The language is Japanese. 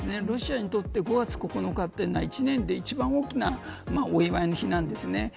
ロシアにとって５月９日というのは１年で一番大きなお祝いの日なんですね。